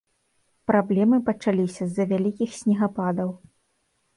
Праблемы пачаліся з-за вялікіх снегападаў.